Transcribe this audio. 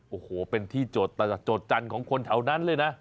โอ้โฮเป็นที่โจทย์จันทร์ของคนเท่านั้นเลยนะ